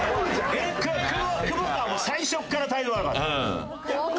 久保田は最初から態度悪かった。